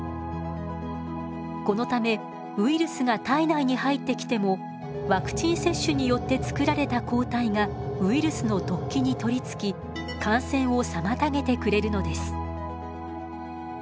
このためウイルスが体内に入ってきてもワクチン接種によってつくられた抗体がウイルスの突起に取りつき感染を妨げてくれるのです。